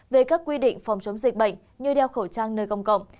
về các quy định phòng chống dịch bệnh như đeo khẩu trang nơi công cộng